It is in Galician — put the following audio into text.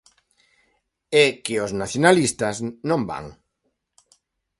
É que os nacionalistas non van.